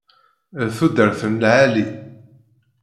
D tudert n lɛali.